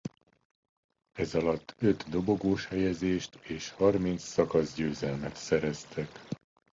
Ezalatt öt dobogós helyezést és harminc szakaszgyőzelmet szereztek.